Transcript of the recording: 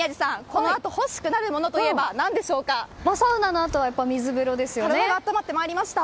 このあと欲しくなるものと言えばサウナのあとは水風呂ですよね。